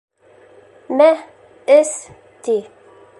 — Мә, эс, — ти.